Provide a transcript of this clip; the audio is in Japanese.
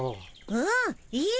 うんいい！